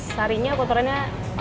sarinya kotorannya langsung kepala